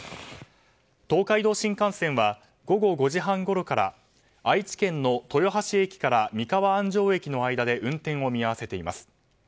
東海道新幹線は午後５時半ごろから愛知県の豊橋駅から三河安城駅の間で運転を見合わせています。